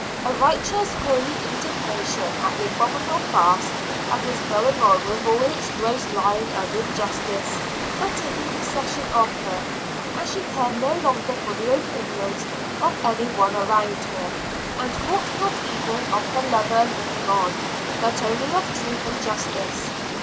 A righteous, holy indignation at the abominable farce that was going on with all its gross lying and injustice had taken possession of her, and she cared no longer for the opinions of any one around her, and thought not even of her lover looking on, but only of truth and justice.